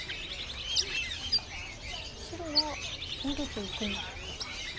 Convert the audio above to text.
白は逃げていくんでしょうか。